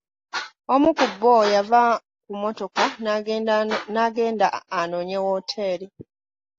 Omu ku bo yava ku mmotoka n'agenda anoonye wooteri.